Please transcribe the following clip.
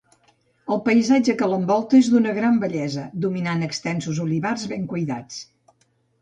El paisatge que l'envolta és d'una gran bellesa, dominant extensos olivars, ben cuidats.